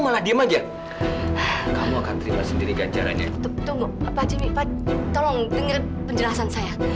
malah diem aja kamu akan terima sendiri kejar aja tunggu apa cimi pak tolong denger penjelasan saya